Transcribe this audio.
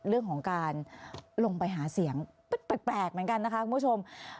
เรื่องของการลงไปหาเสียงแปลกเหมือนกันนะคะคุณผู้ชม